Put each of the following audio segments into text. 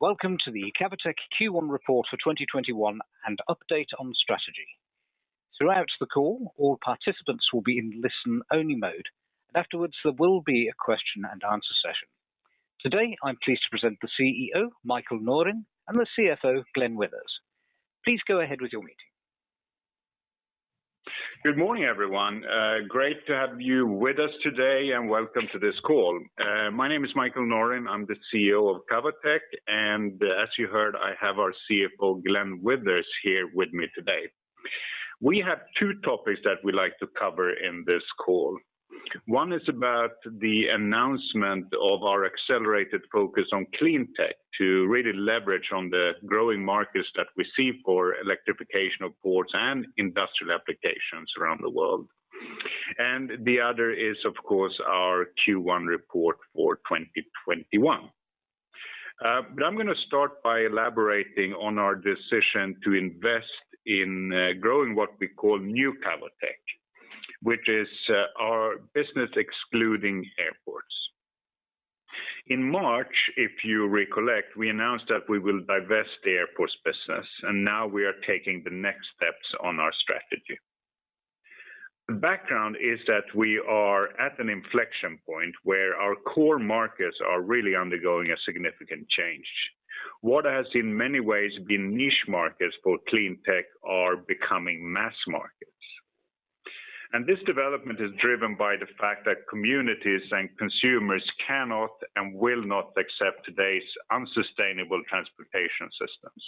Welcome to the Cavotec Q1 report for 2021 and update on strategy. Throughout the call, all participants will be in listen-only mode. Afterwards, there will be a question and answer session. Today, I'm pleased to present the CEO, Mikael Norin, and the CFO, Glenn Withers. Please go ahead with your meeting. Good morning, everyone. Great to have you with us today, and welcome to this call. My name is Mikael Norin. I'm the CEO of Cavotec, and as you heard, I have our CFO, Glenn Withers, here with me today. We have two topics that we'd like to cover in this call. One is about the announcement of our accelerated focus on cleantech to really leverage on the growing markets that we see for electrification of ports and industrial applications around the world. The other is, of course, our Q1 report for 2021. I'm going to start by elaborating on our decision to invest in growing what we call new Cavotec, which is our business excluding airports. In March, if you recollect, we announced that we will divest the airports business, and now we are taking the next steps on our strategy. The background is that we are at an inflection point where our core markets are really undergoing a significant change. What has in many ways been niche markets for cleantech are becoming mass markets. This development is driven by the fact that communities and consumers cannot and will not accept today's unsustainable transportation systems.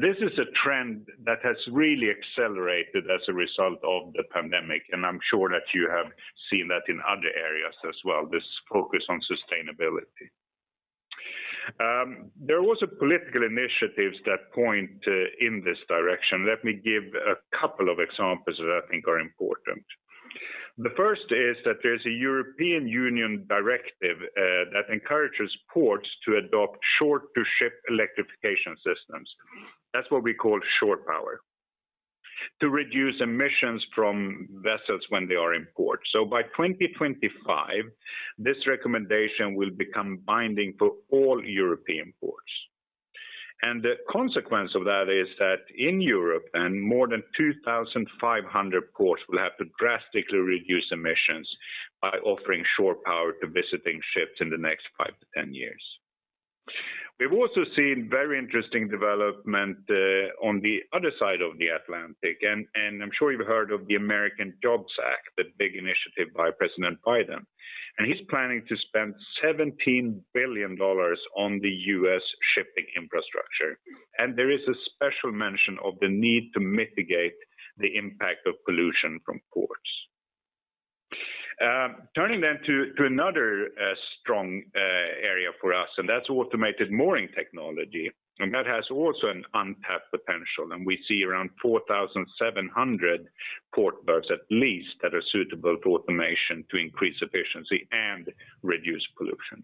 This is a trend that has really accelerated as a result of the pandemic, and I'm sure that you have seen that in other areas as well, this focus on sustainability. There was political initiatives that point in this direction. Let me give a couple of examples that I think are important. The first is that there's a European Union directive that encourages ports to adopt shore-to-ship electrification systems, that's what we call shore power, to reduce emissions from vessels when they are in port. By 2025, this recommendation will become binding for all European ports. The consequence of that is that in Europe, more than 2,500 ports will have to drastically reduce emissions by offering shore power to visiting ships in the next five to 10 years. We've also seen very interesting development on the other side of the Atlantic, and I'm sure you've heard of the American Jobs Plan, the big initiative by President Biden, and he's planning to spend $17 billion on the U.S. shipping infrastructure. There is a special mention of the need to mitigate the impact of pollution from ports. Turning then to another strong area for us, and that's automated mooring technology, and that has also an untapped potential, and we see around 4,700 port berths at least that are suitable for automation to increase efficiency and reduce pollution.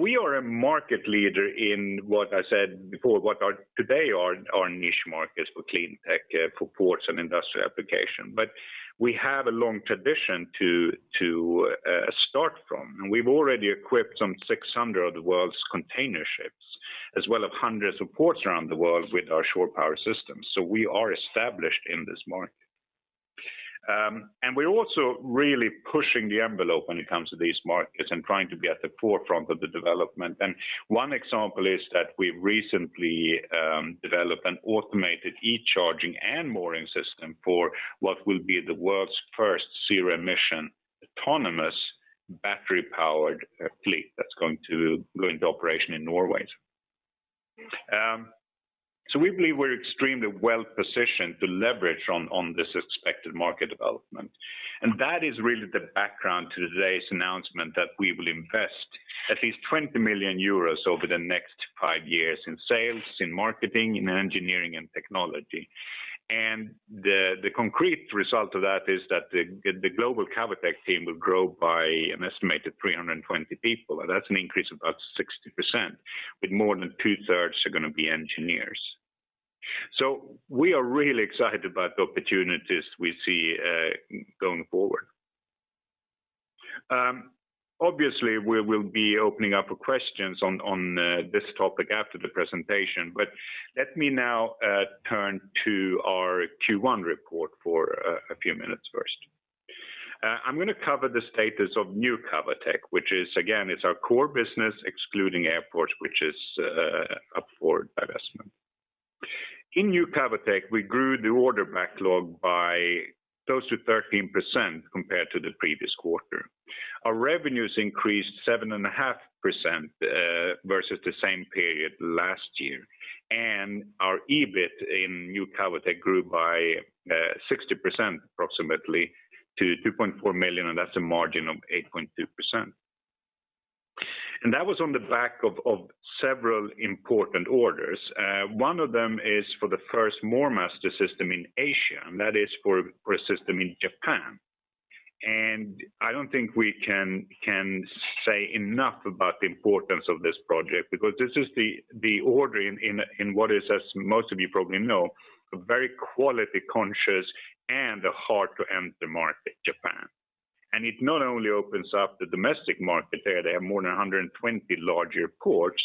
We are a market leader in what I said before, what today are our niche markets for cleantech for ports and industrial application. We have a long tradition to start from, and we've already equipped some 600 of the world's container ships, as well as hundreds of ports around the world with our shore power systems, so we are established in this market. We're also really pushing the envelope when it comes to these markets and trying to be at the forefront of the development. One example is that we recently developed an automated e-charging and mooring system for what will be the world's first zero-emission, autonomous battery-powered fleet that's going to go into operation in Norway. We believe we're extremely well-positioned to leverage on this expected market development. That is really the background to today's announcement that we will invest at least 20 million euros over the next five years in sales, in marketing, in engineering and technology. The concrete result of that is that the global Cavotec team will grow by an estimated 320 people. That's an increase of about 60%, with more than two-thirds are going to be engineers. We are really excited about the opportunities we see going forward. Obviously, we will be opening up for questions on this topic after the presentation, but let me now turn to our Q1 report for a few minutes first. I'm going to cover the status of new Cavotec, which is, again, it's our core business excluding airports, which is up for divestment. In new Cavotec, we grew the order backlog by close to 13% compared to the previous quarter. Our revenues increased 7.5% versus the same period last year. Our EBIT in new Cavotec grew by 60%, approximately, to 2.4 million, and that is a margin of 8.2%. That was on the back of several important orders. One of them is for the first MoorMaster system in Asia. That is for a system in Japan. I don't think we can say enough about the importance of this project, because this is the order in what is, as most of you probably know, a very quality-conscious and a hard-to-enter market, Japan. It not only opens up the domestic market there, they have more than 120 larger ports,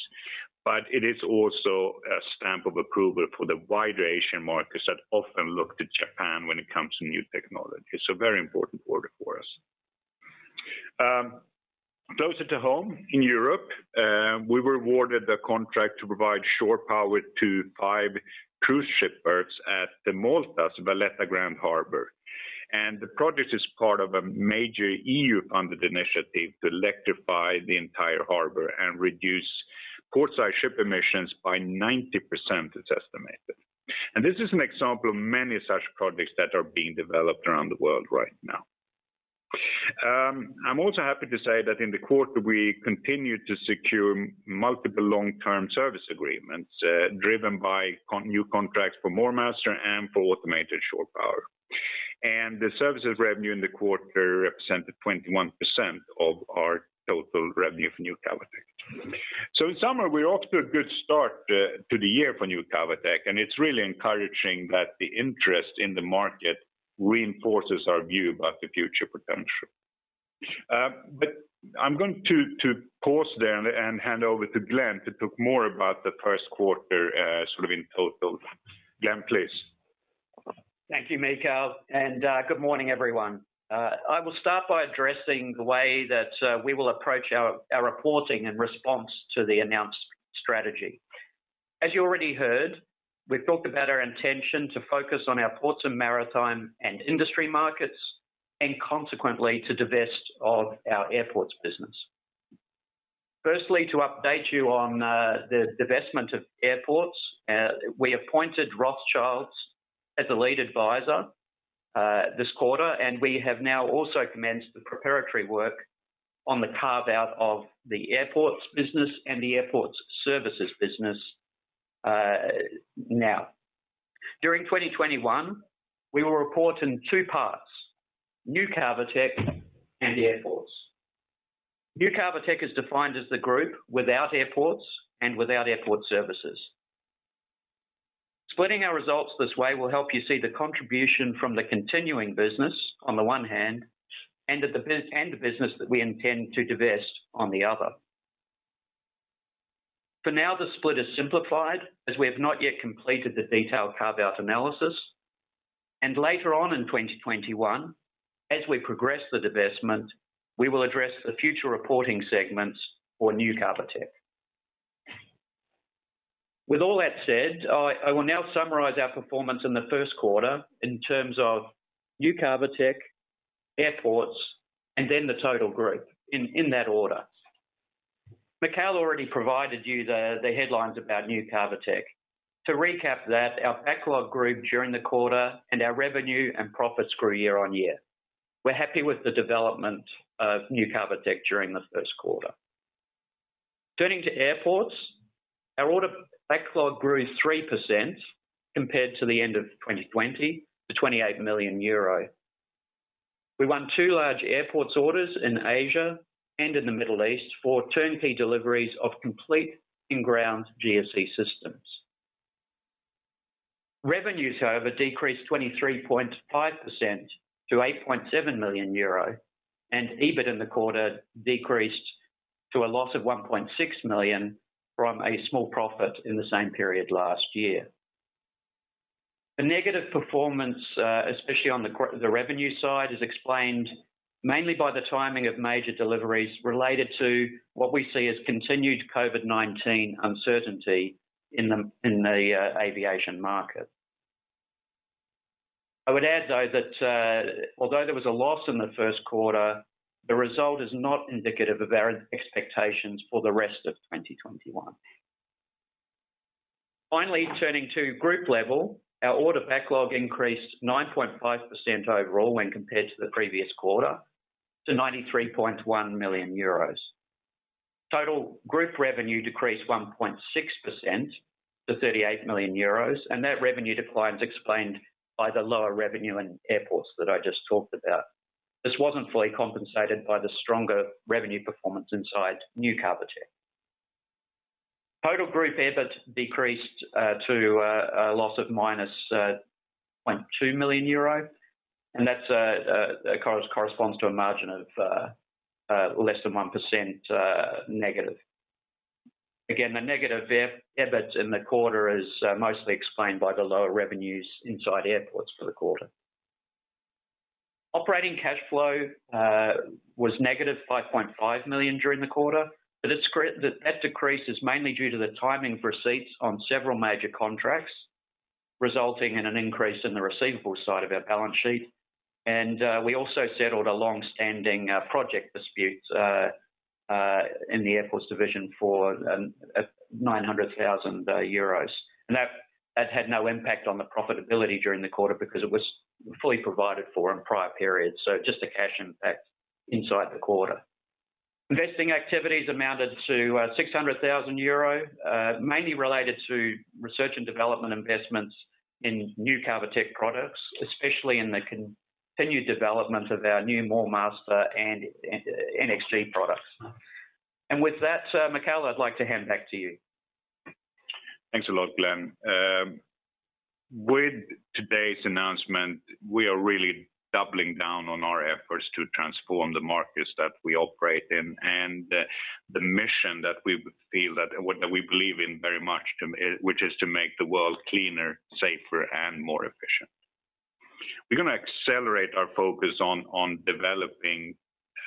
but it is also a stamp of approval for the wider Asian markets that often look to Japan when it comes to new technology. Very important order for us. Closer to home, in Europe, we were awarded the contract to provide shore power to five cruise ship berths at the Malta's Valletta Grand Harbour. The project is part of a major EU-funded initiative to electrify the entire harbor and reduce portside ship emissions by 90%, it's estimated. This is an example of many such projects that are being developed around the world right now. I'm also happy to say that in the quarter, we continued to secure multiple long-term service agreements, driven by new contracts for MoorMaster and for automated shore power. The services revenue in the quarter represented 21% of our total revenue for new Cavotec. In summary, we're off to a good start to the year for new Cavotec, and it's really encouraging that the interest in the market reinforces our view about the future potential. I'm going to pause there and hand over to Glenn to talk more about the first quarter in total. Glenn, please. Thank you, Mikael, and good morning, everyone. I will start by addressing the way that we will approach our reporting in response to the announced strategy. As you already heard, we've talked about our intention to focus on our ports and maritime and industry markets, and consequently, to divest of our airports business. Firstly, to update you on the divestment of airports, we appointed Rothschild as a lead advisor this quarter, and we have now also commenced the preparatory work on the carve-out of the airports business and the airports services business. During 2021, we will report in two parts: new Cavotec and airports. New Cavotec is defined as the group without airports and without airport services. Splitting our results this way will help you see the contribution from the continuing business on the one hand, and the business that we intend to divest on the other. For now, the split is simplified, as we have not yet completed the detailed carve-out analysis. Later on in 2021, as we progress the divestment, we will address the future reporting segments for new Cavotec. With all that said, I will now summarize our performance in the first quarter in terms of new Cavotec, airports, and then the total group, in that order. Mikael already provided you the headlines about new Cavotec. To recap that, our backlog grew during the quarter, and our revenue and profits grew year-over-year. We're happy with the development of new Cavotec during the first quarter. Turning to airports, our order backlog grew 3% compared to the end of 2020, to 28 million euro. We won two large airports orders in Asia and in the Middle East for turnkey deliveries of complete in-ground GSE systems. Revenues, however, decreased 23.5% to 8.7 million euro, and EBIT in the quarter decreased to a loss of 1.6 million from a small profit in the same period last year. The negative performance, especially on the revenue side, is explained mainly by the timing of major deliveries related to what we see as continued COVID-19 uncertainty in the aviation market. I would add, though, that although there was a loss in the first quarter, the result is not indicative of our expectations for the rest of 2021. Finally, turning to group level, our order backlog increased 9.5% overall when compared to the previous quarter, to 93.1 million euros. Total group revenue decreased 1.6% to 38 million euros, and that revenue decline is explained by the lower revenue in airports that I just talked about. This wasn't fully compensated by the stronger revenue performance inside new Cavotec. Total group EBIT decreased to a loss of minus 2 million euro, That corresponds to a margin of less than 1% negative. Again, the negative EBIT in the quarter is mostly explained by the lower revenues inside airports for the quarter. Operating cash flow was negative 5.5 million during the quarter, That decrease is mainly due to the timing of receipts on several major contracts, resulting in an increase in the receivable side of our balance sheet. We also settled a long-standing project dispute in the airports division for 900,000 euros. That had no impact on the profitability during the quarter because it was fully provided for in prior periods, so just a cash impact inside the quarter. Investing activities amounted to 600,000 euro, mainly related to research and development investments in new Cavotec products, especially in the continued development of our new MoorMaster and NxG products. With that, Mikael, I'd like to hand back to you. Thanks a lot, Glenn. With today's announcement, we are really doubling down on our efforts to transform the markets that we operate in, and the mission that we believe in very much, which is to make the world cleaner, safer, and more efficient. We're going to accelerate our focus on developing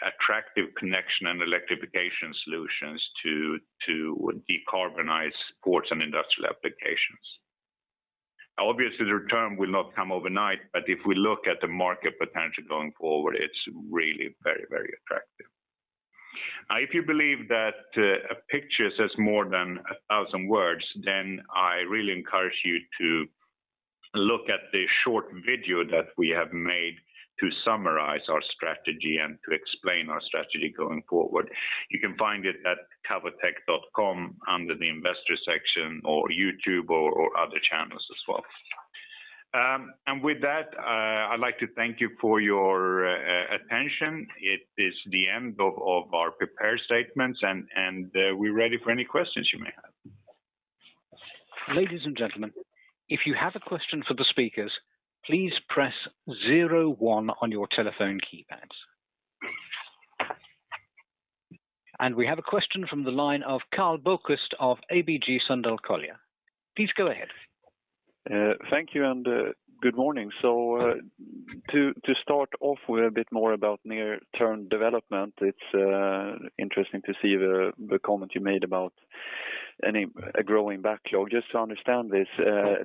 attractive connection and electrification solutions to decarbonize ports and industrial applications. Obviously, the return will not come overnight, but if we look at the market potential going forward, it's really very, very attractive. If you believe that a picture says more than 1,000 words, then I really encourage you to look at the short video that we have made to summarize our strategy and to explain our strategy going forward. You can find it at cavotec.com, under the investor section or YouTube or other channels as well. With that, I'd like to thank you for your attention. It is the end of our prepared statements, and we're ready for any questions you may have. Ladies and gentlemen, if you have a question for the speakers, please press zero one on your telephone keypads. We have a question from the line of Karl Bokvist of ABG Sundal Collier. Please go ahead. Thank you. Good morning. To start off with a bit more about near-term development, it's interesting to see the comment you made about a growing backlog. Just to understand this,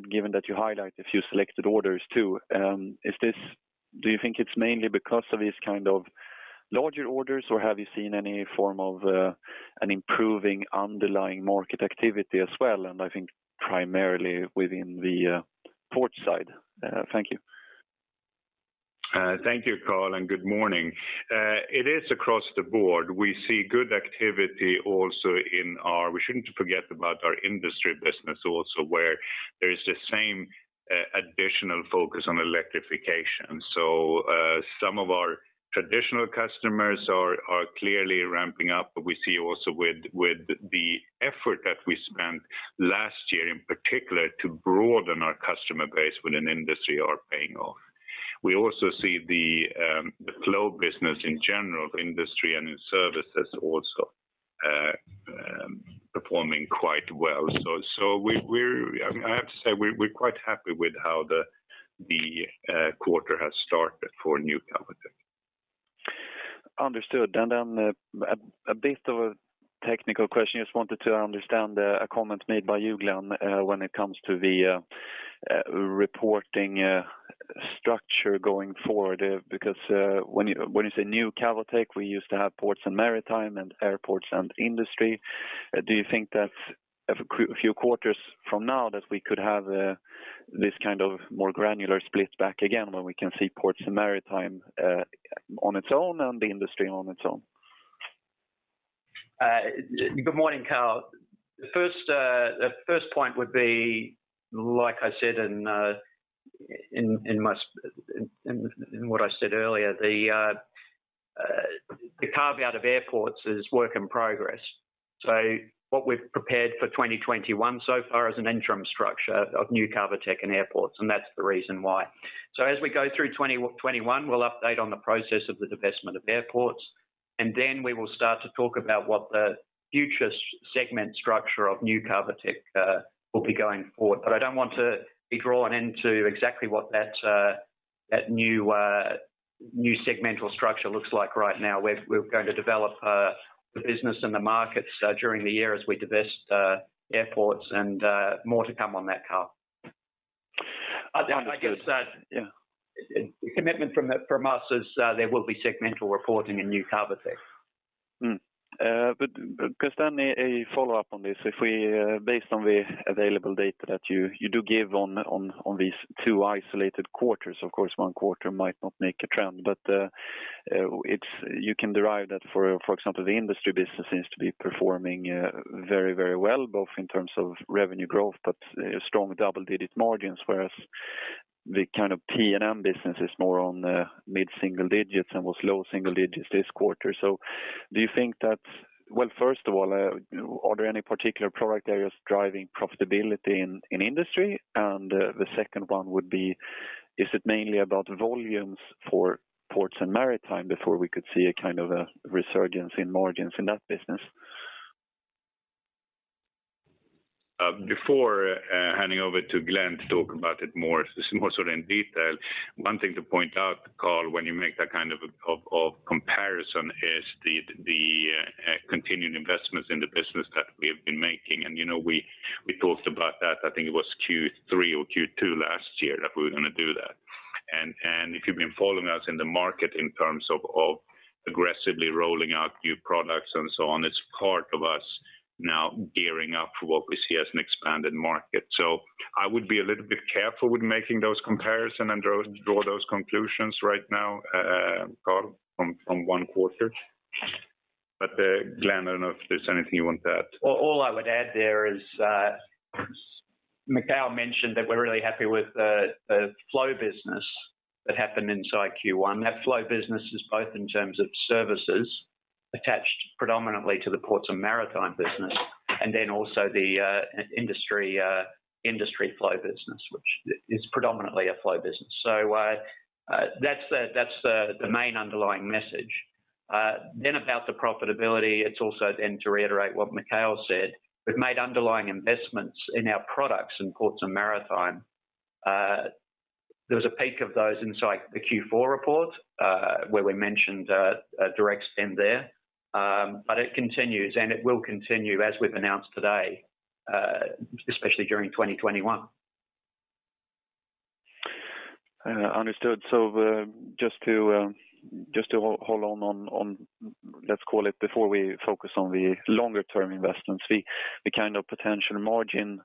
given that you highlight a few selected orders too, do you think it's mainly because of these kind of larger orders, or have you seen any form of an improving underlying market activity as well? I think primarily within the port side. Thank you. Thank you, Karl, and good morning. It is across the board. We see good activity also in our industry business also, where there is the same additional focus on electrification. Some of our traditional customers are clearly ramping up, but we see also with the effort that we spent last year, in particular, to broaden our customer base within industry are paying off. We also see the flow business in general, industry and in services also performing quite well. I have to say, we're quite happy with how the quarter has started for new Cavotec. Understood. A bit of a technical question. Just wanted to understand a comment made by you, Glenn, when it comes to the reporting structure going forward. Because when you say new Cavotec, we used to have ports and maritime and airports and industry. Do you think that a few quarters from now that we could have this kind of more granular split back again when we can see ports and maritime on its own and the industry on its own? Good morning, Karl. The first point would be, like I said in what I said earlier, the carve-out of airports is work in progress. What we've prepared for 2021 so far is an interim structure of new Cavotec and airports, and that's the reason why. As we go through 2021, we'll update on the process of the divestment of airports, and then we will start to talk about what the future segment structure of new Cavotec will be going forward. I don't want to be drawn into exactly what that new segmental structure looks like right now. We're going to develop the business and the markets during the year as we divest airports, and more to come on that, Karl. Understood. I guess the commitment from us is there will be segmental reporting in new Cavotec. A follow-up on this. Based on the available data that you do give on these two isolated quarters, of course, one quarter might not make a trend, but you can derive that, for example, the industry business seems to be performing very, very well, both in terms of revenue growth, but strong double-digit margins, whereas the kind of P&M business is more on the mid-single digits and was low single digits this quarter. Do you think that, first of all, are there any particular product areas driving profitability in industry? The second one would be, is it mainly about volumes for ports and maritime before we could see a kind of a resurgence in margins in that business? Before handing over to Glenn to talk about it more sort of in detail, one thing to point out, Karl, when you make that kind of comparison is the continued investments in the business that we have been making. We talked about that, I think it was Q3 or Q2 last year that we were going to do that. If you've been following us in the market in terms of aggressively rolling out new products and so on, it's part of us now gearing up for what we see as an expanded market. I would be a little bit careful with making those comparisons and draw those conclusions right now, Karl, from one quarter. Glenn, I don't know if there's anything you want to add. All I would add there is Mikael mentioned that we're really happy with the flow business that happened inside Q1. That flow business is both in terms of services attached predominantly to the Ports and Maritime business, and also the industry flow business, which is predominantly a flow business. That's the main underlying message. About the profitability, it's also then to reiterate what Mikael said. We've made underlying investments in our products in Ports and Maritime. There was a peak of those inside the Q4 report, where we mentioned a direct spend there. It continues, and it will continue as we've announced today, especially during 2021. Understood. Just to hold on, let's call it before we focus on the longer-term investments. The kind of potential margin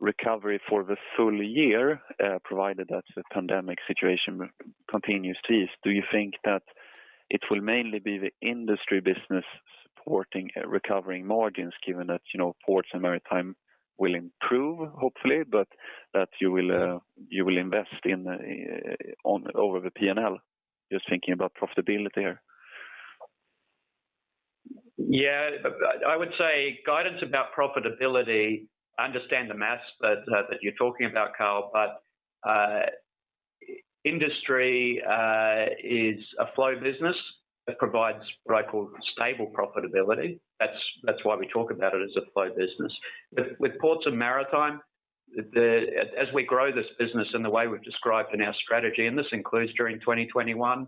recovery for the full year, provided that the pandemic situation continues to ease, do you think that it will mainly be the industry business supporting recovering margins, given that ports and maritime will improve, hopefully, but that you will invest over the P&L? Just thinking about profitability here. I would say guidance about profitability, I understand the math that you're talking about, Karl, industry is a flow business that provides what I call stable profitability. That's why we talk about it as a flow business. With ports and maritime, as we grow this business in the way we've described in our strategy, and this includes during 2021,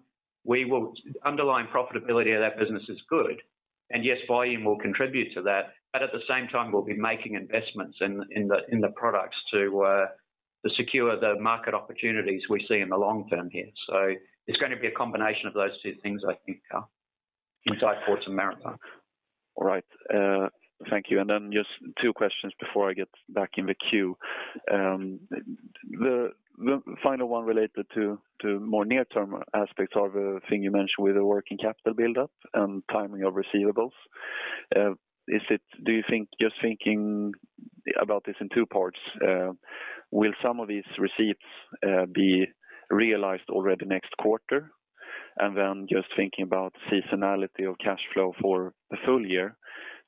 underlying profitability of that business is good. Yes, volume will contribute to that, at the same time, we'll be making investments in the products to secure the market opportunities we see in the long term here. It's going to be a combination of those two things, I think, Karl, inside ports and maritime. All right. Thank you. Just two questions before I get back in the queue. The final one related to more near-term aspects of the thing you mentioned with the working capital buildup and timing of receivables. Just thinking about this in two parts, will some of these receipts be realized already next quarter? Just thinking about seasonality of cash flow for the full year,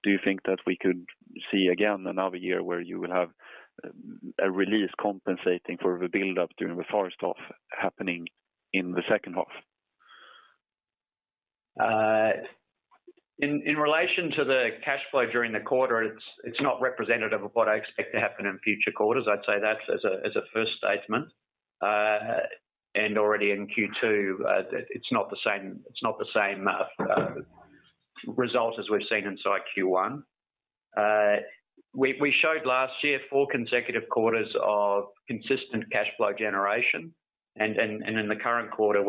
do you think that we could see again another year where you will have a release compensating for the buildup during the first half happening in the second half? In relation to the cash flow during the quarter, it's not representative of what I expect to happen in future quarters. I'd say that as a first statement. Already in Q2, it's not the same result as we've seen inside Q1. We showed last year four consecutive quarters of consistent cash flow generation, and in the current quarter,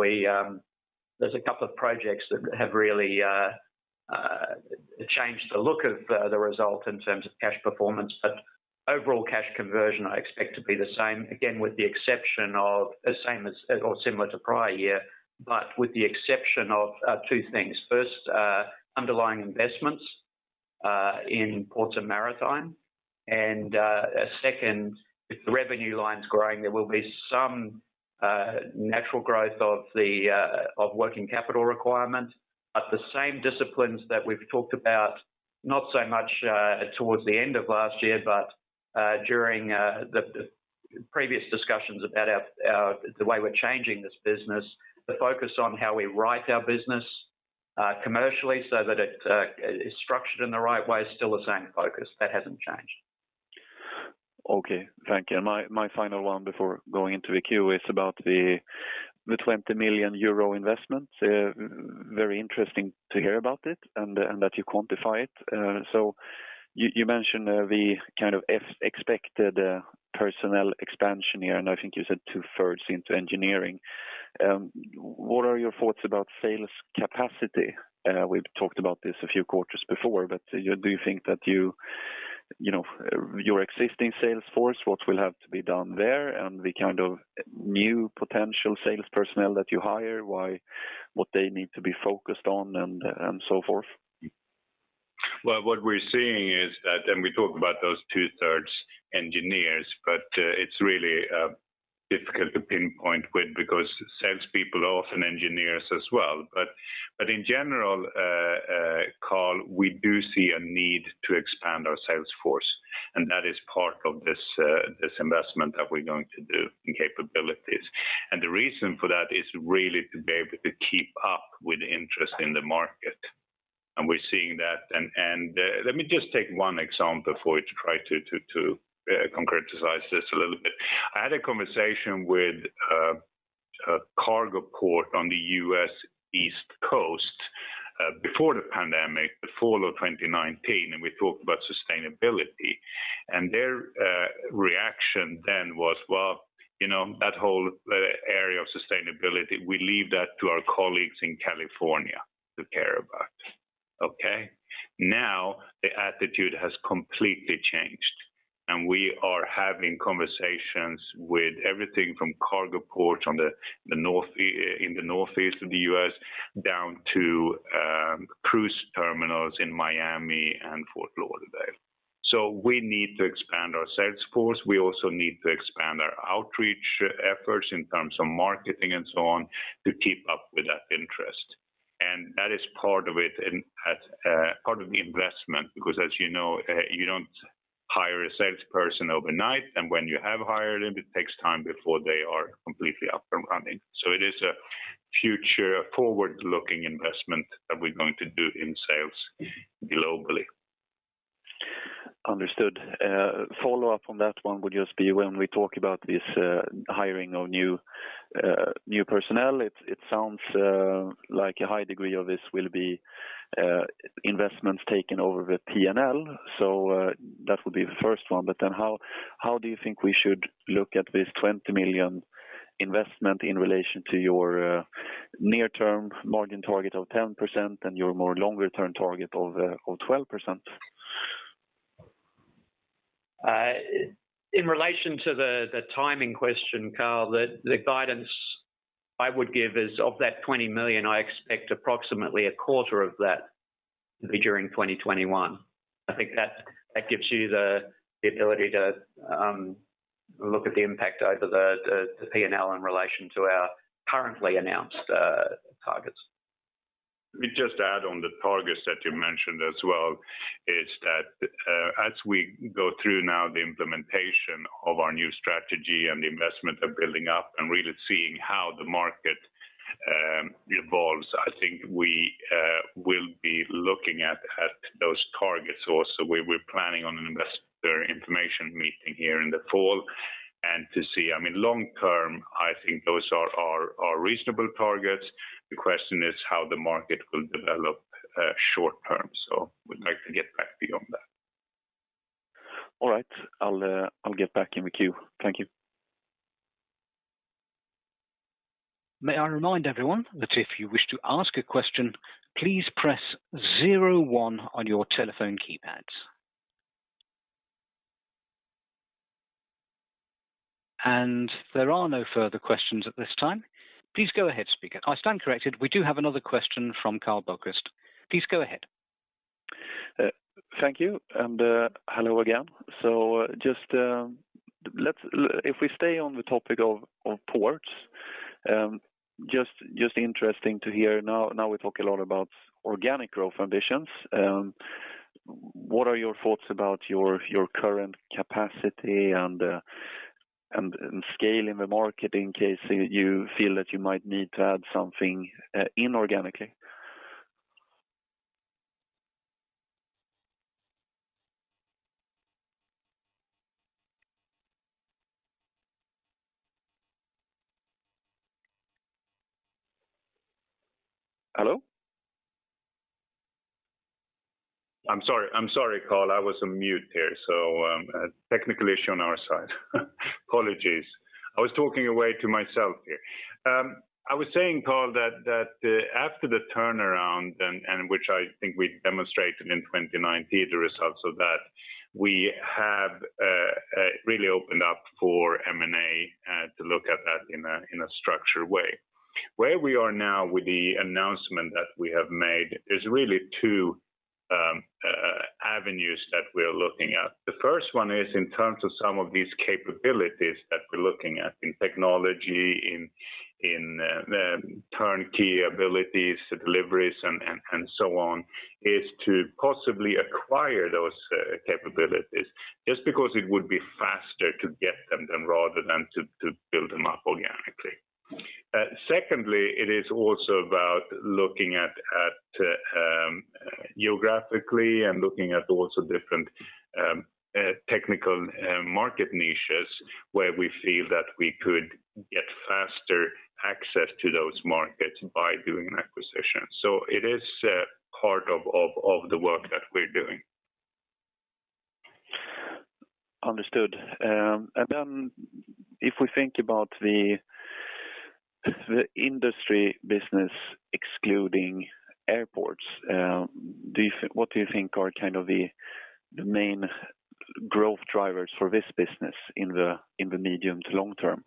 there's a couple of projects that have really changed the look of the result in terms of cash performance. Overall cash conversion, I expect to be the same, again, with the exception of the same as or similar to prior year, with the exception of two things. First, underlying investments in ports and maritime, and second, if the revenue line's growing, there will be some natural growth of working capital requirement. The same disciplines that we've talked about, not so much towards the end of last year, but during the previous discussions about the way we're changing this business, the focus on how we write our business commercially so that it is structured in the right way is still the same focus. That hasn't changed. Okay, thank you. My final one before going into the queue is about the 20 million euro investment. Very interesting to hear about it and that you quantify it. You mentioned the kind of expected personnel expansion here, and I think you said two-thirds into engineering. What are your thoughts about sales capacity? We've talked about this a few quarters before, but do you think that your existing sales force, what will have to be done there, and the kind of new potential sales personnel that you hire, what they need to be focused on, and so forth? What we're seeing is that, and we talk about those two-thirds engineers, but it's really difficult to pinpoint with, because salespeople are often engineers as well. In general, Karl, we do see a need to expand our sales force, and that is part of this investment that we're going to do in capabilities. The reason for that is really to be able to keep up with interest in the market. We're seeing that, and let me just take one example for you to try to concretize this a little bit. I had a conversation with a cargo port on the U.S. East Coast before the pandemic, the fall of 2019, and we talked about sustainability. Their reaction then was, "Well, that whole area of sustainability, we leave that to our colleagues in California to care about." Okay? Now, the attitude has completely changed, and we are having conversations with everything from cargo ports in the northeast of the U.S. down to cruise terminals in Miami and Fort Lauderdale. We need to expand our sales force. We also need to expand our outreach efforts in terms of marketing and so on to keep up with that interest. That is part of the investment, because as you know, you don't hire a salesperson overnight, and when you have hired them, it takes time before they are completely up and running. It is a future forward-looking investment that we're going to do in sales globally. Understood. Follow-up on that one would just be when we talk about this hiring of new personnel, it sounds like a high degree of this will be investments taken over the P&L. That would be the first one. How do you think we should look at this 20 million investment in relation to your near-term margin target of 10% and your more longer-term target of 12%? In relation to the timing question, Karl, the guidance I would give is of that 20 million, I expect approximately a quarter of that to be during 2021. I think that gives you the ability to look at the impact over the P&L in relation to our currently announced targets. Let me just add on the targets that you mentioned as well, is that as we go through now the implementation of our new strategy and the investment of building up and really seeing how the market evolves, I think we will be looking at those targets also. We're planning on an investor information meeting here in the fall. Long term, I think those are reasonable targets. The question is how the market will develop short term. We'd like to get back to you on that. All right. I'll get back in the queue. Thank you. May I remind everyone that if you wish to ask a question, please press zero one on your telephone keypads. There are no further questions at this time. Please go ahead, speaker. I stand corrected. We do have another question from Karl Bokvist. Please go ahead. Thank you, and hello again. If we stay on the topic of ports, just interesting to hear now we talk a lot about organic growth ambitions. What are your thoughts about your current capacity and scale in the market in case you feel that you might need to add something inorganically? Hello? I'm sorry, Karl. I was on mute here. Technical issue on our side. Apologies. I was talking away to myself here. I was saying, Karl, that after the turnaround, and which I think we demonstrated in 2019, the results of that, we have really opened up for M&A to look at that in a structured way. Where we are now with the announcement that we have made is really two avenues that we're looking at. The first one is in terms of some of these capabilities that we're looking at in technology, in turnkey abilities, deliveries, and so on, is to possibly acquire those capabilities just because it would be faster to get them rather than to build them up organically. Secondly, it is also about looking at geographically and looking at also different technical market niches where we feel that we could get faster access to those markets by doing an acquisition. It is part of the work that we're doing. Understood. If we think about the industry business excluding airports, what do you think are the main growth drivers for this business in the medium to long term?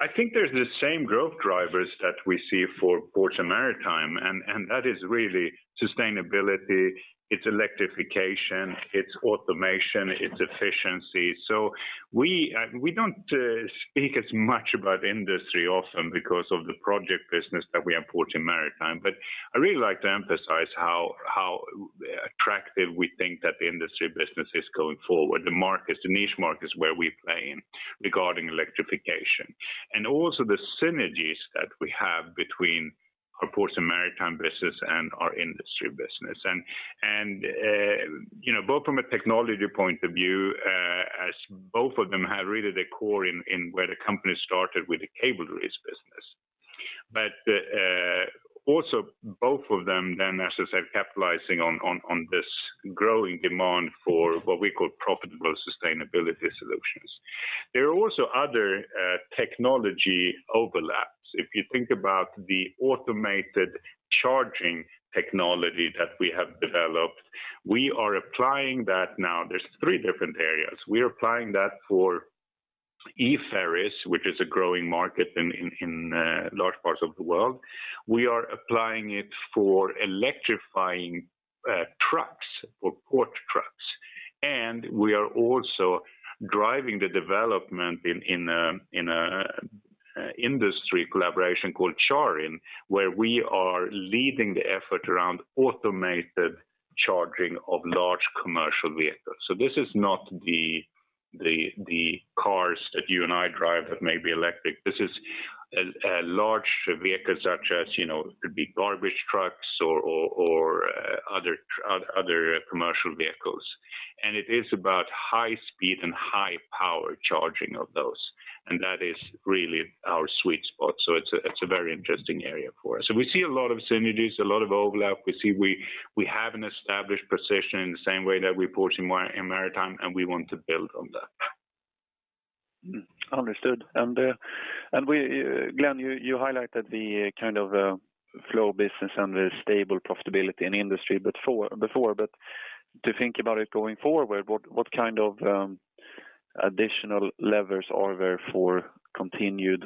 I think there's the same growth drivers that we see for ports and maritime. That is really sustainability, it's electrification, it's automation, it's efficiency. We don't speak as much about industry often because of the project business that we have ports and maritime. I really like to emphasize how attractive we think that the industry business is going forward, the niche markets where we play in regarding electrification. Also the synergies that we have between our ports and maritime business and our industry business. Both from a technology point of view, as both of them have really the core in where the company started with the cable reel business. Also both of them, as I said, capitalizing on this growing demand for what we call profitable sustainability solutions. There are also other technology overlaps. If you think about the automated charging technology that we have developed, we are applying that now. There's three different areas. We are applying that for e-ferries, which is a growing market in large parts of the world. We are applying it for electrifying trucks, for port trucks, and we are also driving the development in an industry collaboration called CharIN, where we are leading the effort around automated charging of large commercial vehicles. This is not the cars that you and I drive that may be electric. This is a large vehicle such as, could be garbage trucks or other commercial vehicles. It is about high speed and high power charging of those. That is really our sweet spot. It's a very interesting area for us. We see a lot of synergies, a lot of overlap. We see we have an established position in the same way that we push in maritime, and we want to build on that. Understood. Glenn, you highlighted the kind of flow business and the stable profitability in the industry before, but to think about it going forward, what kind of additional levers are there for continued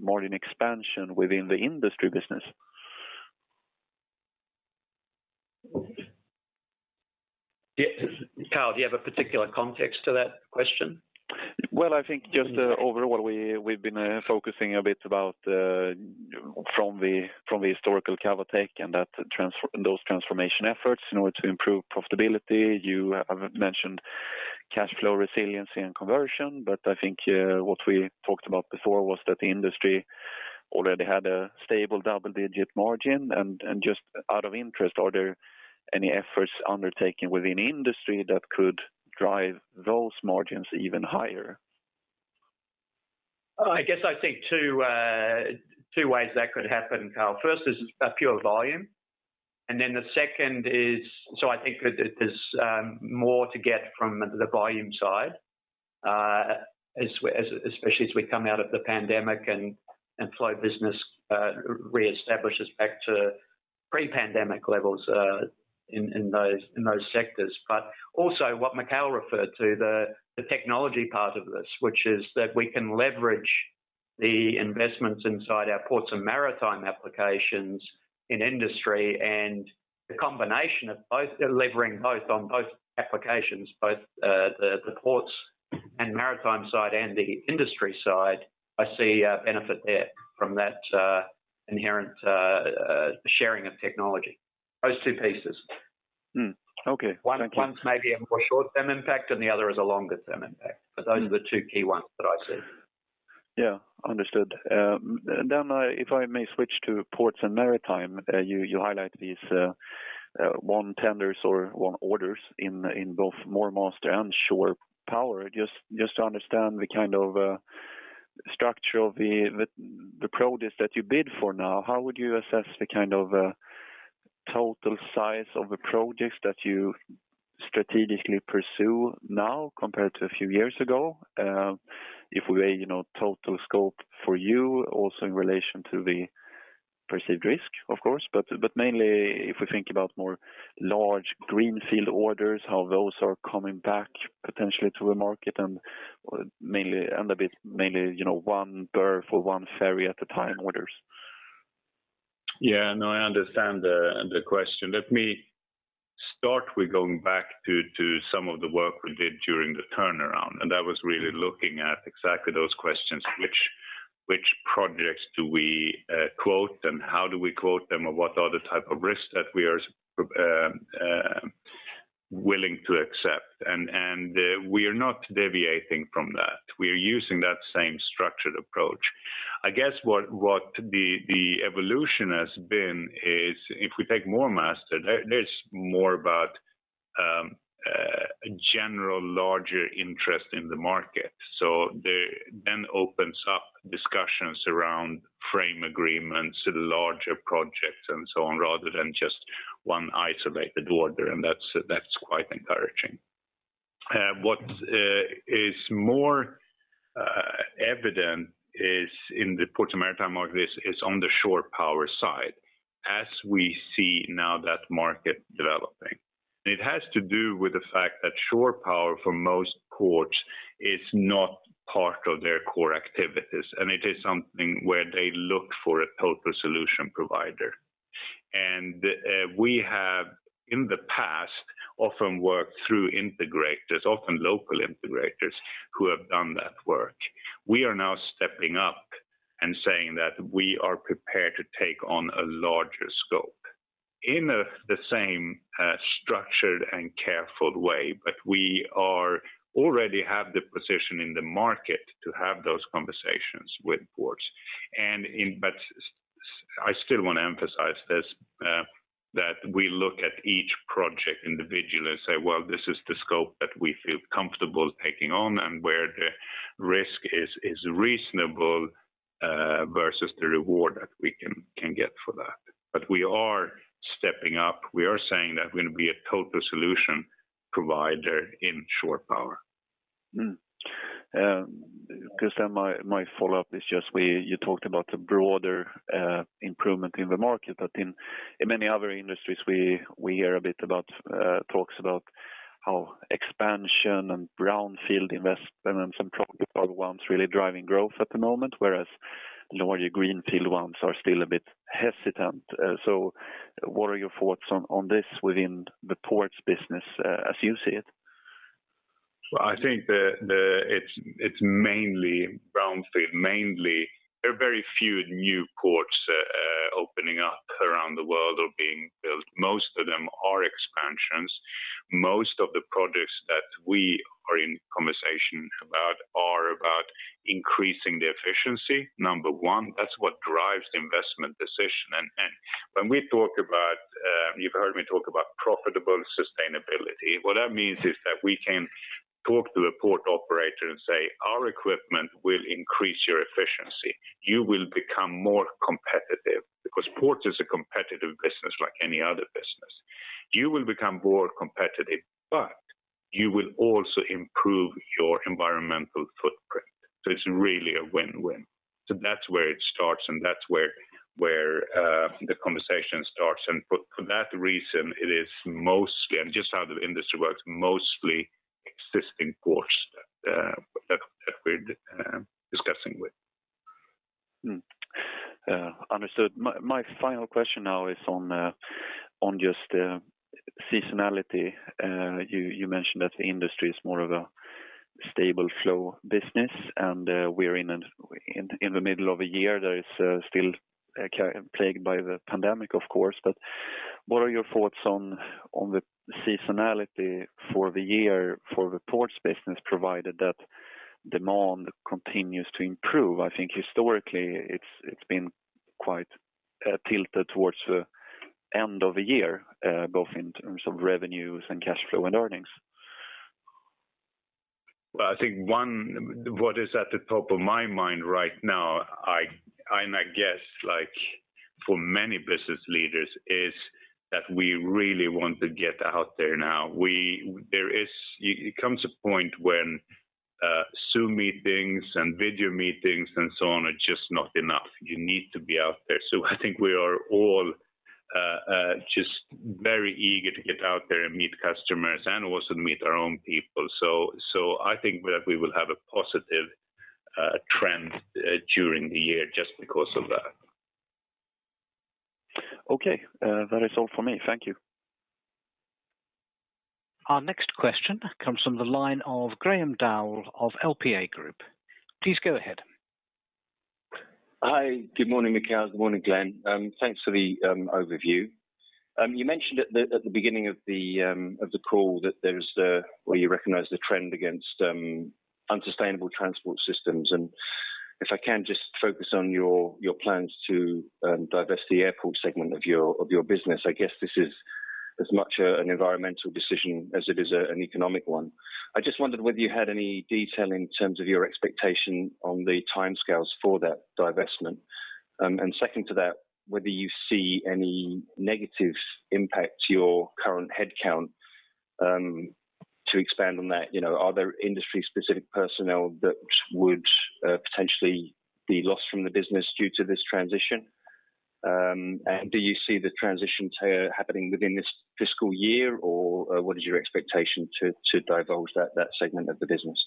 margin expansion within the industry business? Yes. Karl, do you have a particular context to that question? Well, I think just overall, we've been focusing a bit about from the historical Cavotec and those transformation efforts in order to improve profitability. You have mentioned cash flow resiliency and conversion, but I think what we talked about before was that the industry already had a stable double-digit margin. Just out of interest, are there any efforts undertaken within the industry that could drive those margins even higher? I guess I think two ways that could happen, Karl. First is pure volume. I think that there's more to get from the volume side, especially as we come out of the pandemic and flow business reestablishes back to pre-pandemic levels in those sectors. Also what Mikael referred to, the technology part of this, which is that we can leverage the investments inside our ports and maritime applications in industry, and the combination of both delivering both on both applications, both the ports and maritime side and the industry side, I see a benefit there from that inherent sharing of technology. Those two pieces. Okay. Thank you. One's maybe a more short-term impact, and the other is a longer-term impact. Those are the two key ones that I see. Yeah. Understood. If I may switch to ports and maritime, you highlight these won tenders or won orders in both MoorMaster and shore power. Just to understand the kind of structure of the projects that you bid for now, how would you assess the kind of total size of the projects that you strategically pursue now compared to a few years ago? If we total scope for you also in relation to the perceived risk, of course, but mainly if we think about more large greenfield orders, how those are coming back potentially to the market and mainly one berth or one ferry at a time orders. Yeah, no, I understand the question. Let me start with going back to some of the work we did during the turnaround, and that was really looking at exactly those questions, which projects do we quote and how do we quote them, or what are the type of risks that we are willing to accept? We are not deviating from that. We are using that same structured approach. I guess what the evolution has been is if we take MoorMaster, there is more about a general larger interest in the market. That opens up discussions around frame agreements to larger projects and so on, rather than just one isolated order, and that is quite encouraging. What is more evident is in the ports and maritime market is on the shore power side as we see now that market developing. It has to do with the fact that shore power for most ports is not part of their core activities, and it is something where they look for a total solution provider. We have in the past often worked through integrators, often local integrators who have done that work. We are now stepping up and saying that we are prepared to take on a larger scope in the same structured and careful way. We already have the position in the market to have those conversations with ports. I still want to emphasize this, that we look at each project individually and say, "Well, this is the scope that we feel comfortable taking on and where the risk is reasonable versus the reward that we can get for that." We are stepping up. We are saying that we're going to be a total solution provider in shore power. Question, my follow-up is just where you talked about the broader improvement in the market, but in many other industries, we hear a bit about talks about how expansion and brownfield investment and some ones really driving growth at the moment. Whereas larger greenfield ones are still a bit hesitant. What are your thoughts on this within the ports business as you see it? I think it's mainly brownfield. There are very few new ports opening up around the world or being built. Most of them are expansions. Most of the projects that we are in conversation about are about increasing the efficiency, number one. That's what drives the investment decision. And you've heard me talk about profitable sustainability. What that means is that we can talk to the port operator and say, "Our equipment will increase your efficiency. You will become more competitive," because ports is a competitive business like any other business. "You will become more competitive, but you will also improve your environmental footprint." It's really a win-win. That's where it starts, and that's where the conversation starts. For that reason, it is mostly, and just how the industry works, mostly existing ports that we're discussing with. Understood. My final question now is on just seasonality. You mentioned that the industry is more of a stable flow business, and we're in the middle of a year that is still plagued by the pandemic, of course. What are your thoughts on the seasonality for the year for the ports business, provided that demand continues to improve? I think historically it's been quite tilted towards the end of the year both in terms of revenues and cash flow and earnings. Well, I think what is at the top of my mind right now, and I guess like for many business leaders, is that we really want to get out there now. There comes a point when Zoom meetings and video meetings and so on are just not enough. You need to be out there. I think we are all just very eager to get out there and meet customers and also meet our own people. I think that we will have a positive trend during the year just because of that. Okay. That is all for me. Thank you. Our next question comes from the line of [Graham Daul] of LPA Group. Please go ahead. Hi, good morning, Mikael. Good morning, Glenn. Thanks for the overview. You mentioned at the beginning of the call that you recognize the trend against unsustainable transport systems. If I can just focus on your plans to divest the airport segment of your business, I guess this is as much an environmental decision as it is an economic one. I just wondered whether you had any detail in terms of your expectation on the timescales for that divestment. Second to that, whether you see any negative impact to your current headcount. To expand on that, are there industry-specific personnel that would potentially be lost from the business due to this transition? Do you see the transition happening within this fiscal year, or what is your expectation to divulge that segment of the business?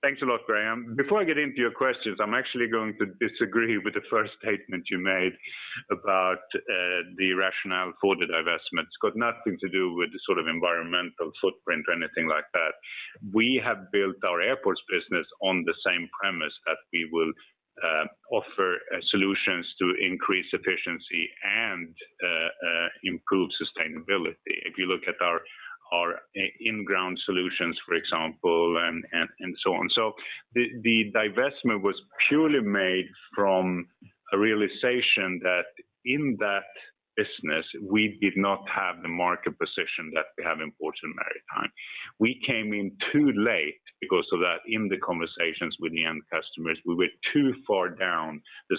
Thanks a lot, Graham. Before I get into your questions, I'm actually going to disagree with the first statement you made about the rationale for the divestment. It's got nothing to do with the sort of environmental footprint or anything like that. We have built our airports business on the same premise that we will offer solutions to increase efficiency and improve sustainability. If you look at our in-ground solutions, for example, and so on. The divestment was purely made from a realization that in that business, we did not have the market position that we have in ports and maritime. We came in too late because of that in the conversations with the end customers. We were too far down the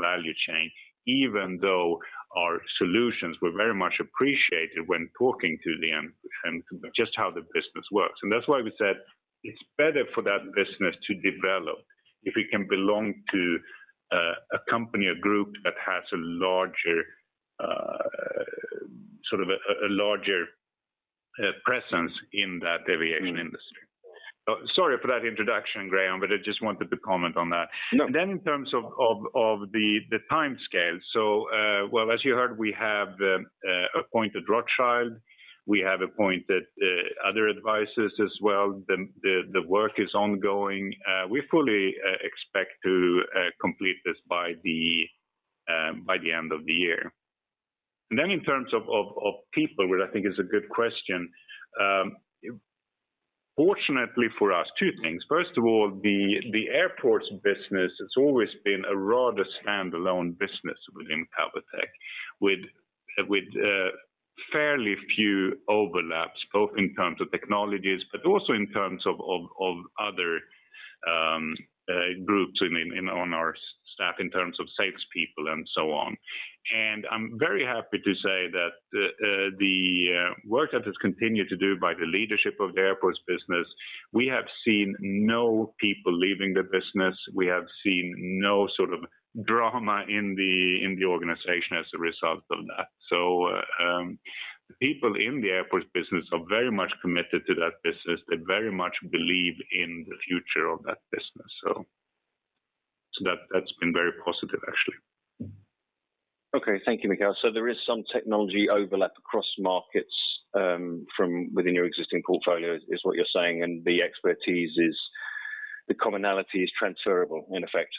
value chain, even though our solutions were very much appreciated when talking to them and just how the business works. That's why we said it's better for that business to develop if it can belong to a company or group that has a larger presence in that aviation industry. Sorry for that introduction, Graham, but I just wanted to comment on that. No. In terms of the timescale. As you heard, well, we have appointed Rothschild. We have appointed other advisors as well. The work is ongoing. We fully expect to complete this by the end of the year. In terms of people, which I think is a good question. Fortunately for us, two things. First of all, the airports business, it's always been a rather standalone business within Cavotec with fairly few overlaps, both in terms of technologies, but also in terms of other groups on our staff, in terms of salespeople and so on. I'm very happy to say that the work that is continued to do by the leadership of the airports business, we have seen no people leaving the business. We have seen no sort of drama in the organization as a result of that. The people in the airports business are very much committed to that business. They very much believe in the future of that business. That's been very positive, actually. Okay. Thank you, Mikael. There is some technology overlap across markets from within your existing portfolio is what you're saying, and the expertise is the commonality is transferable, in effect?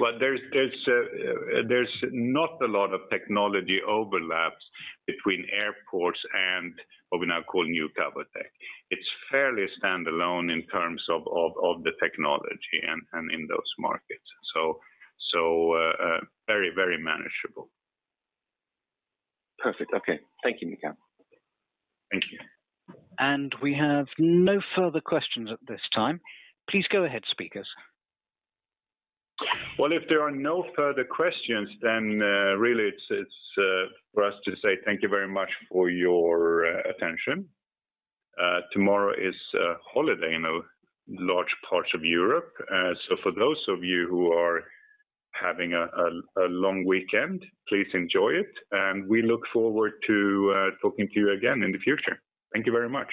Well, there's not a lot of technology overlaps between airports and what we now call new Cavotec. It's fairly standalone in terms of the technology and in those markets. Very manageable. Perfect. Okay. Thank you, Mikael. Thank you. We have no further questions at this time. Please go ahead, speakers. If there are no further questions, really it's for us to say thank you very much for your attention. Tomorrow is a holiday in large parts of Europe. For those of you who are having a long weekend, please enjoy it, and we look forward to talking to you again in the future. Thank you very much.